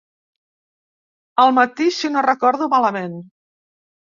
Al matí si no recordo malament.